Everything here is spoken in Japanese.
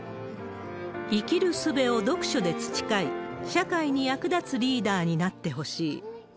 生きるすべを読書で培い、社会に役立つリーダーになってほしい。